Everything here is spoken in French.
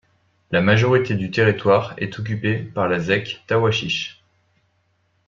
La majorité du territoire est occupé par la zec Tawachiche.